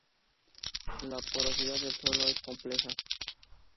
La porosidad del suelo es compleja.